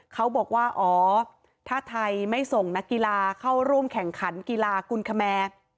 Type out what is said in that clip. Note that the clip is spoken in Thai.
เขาบอกว่าอ๋อถ้าไทยไม่ส่งนักกีฬาเข้าร่วมแข่งขันกีฬากุลคแมร์